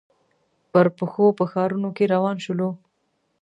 پر پښو په ښارنو کې روان شولو.